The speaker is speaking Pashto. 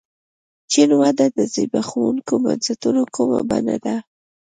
چین وده د زبېښونکو بنسټونو کومه بڼه ده.